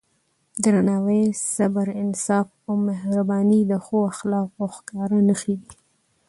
درناوی، صبر، انصاف او مهرباني د ښو اخلاقو ښکاره نښې دي.